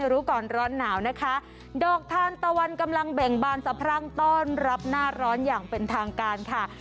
รู้ก่อนร้อนหนาวนะคะดอกทานตะวันกำลังเบ่งบานสะพรั่งต้อนรับหน้าร้อนอย่างเป็นทางการค่ะ